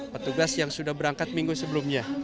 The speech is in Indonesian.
petugas yang sudah berangkat minggu sebelumnya